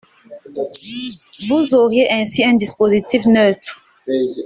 Vous auriez ainsi un dispositif neutre.